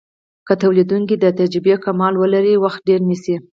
که تولیدونکی د تجربې کموالی ولري وخت ډیر نیسي.